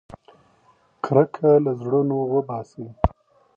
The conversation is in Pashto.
کرکه له زړونو وباسئ.